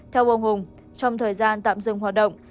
theo ông hùng trong thời gian tạm dừng hoạt động